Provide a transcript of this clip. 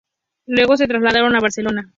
Luego se trasladaron a Barcelona.